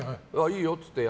いいよって言って。